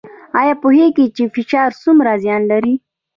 ایا پوهیږئ چې فشار څومره زیان لري؟